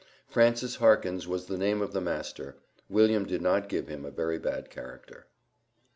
Francis Harkins was the name of the master. William did not give him a very bad character.